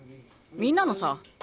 みんなのさ。